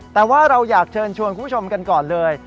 แต่ว่าเราอยากเชิญชวนคุณผู้ชมกันก่อนเลย